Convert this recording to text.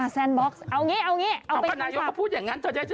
แซนบ็อกซ์เอาอย่างนี้เอาอย่างนี้